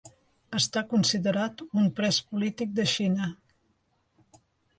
Està considerat un pres polític de Xina.